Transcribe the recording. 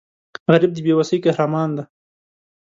غریب د بې وسۍ قهرمان دی